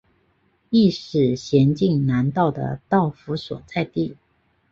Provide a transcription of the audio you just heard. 亦是咸镜南道的道府所在地。